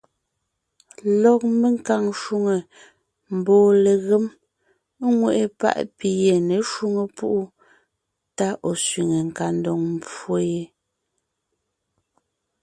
Lɔg menkaŋ shwòŋo mbɔɔ legém ŋweʼe páʼ pi ye ně shwóŋo púʼu tá ɔ̀ sẅiŋe kandoŋ pwó yé.